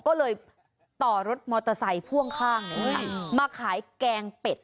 ก็เลยต่อรถมอเตอร์ไซค์พ่วงข้างมาขายแกงเป็ด